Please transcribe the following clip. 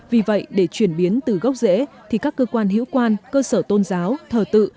vì vậy để chuyển biến từ gốc rễ thì các cơ quan hữu quan cơ sở tôn giáo thờ tự